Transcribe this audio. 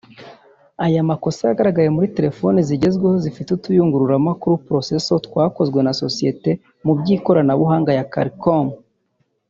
Aya makosa yagaragaye muri telefone zigezweho zifite utuyungururamakuru (proccesors) twakozwe na sosiyete mu by’ikoranabuhanga Qualcomm